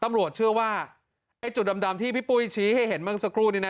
ตำรวจเชื่อว่าไอ้จุดดำที่พี่ปุ้ยชี้ให้เห็นเมื่อสักครู่นี้นะ